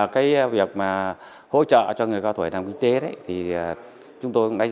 cái việc mà hỗ trợ cho người cao tuổi làm kinh tế đấy thì chúng tôi cũng đang